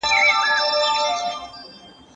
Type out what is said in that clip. انټرنېټ خراب وي.